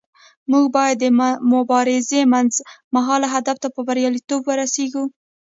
موږ باید د مبارزې منځمهاله هدف ته په بریالیتوب ورسیږو.